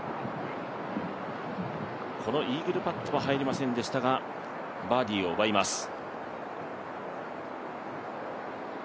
このイーグルパッドは入りませんでしたがバーディーを奪います。